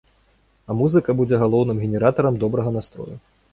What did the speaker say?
А музыка будзе галоўным генератарам добрага настрою.